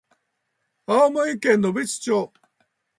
青森県野辺地町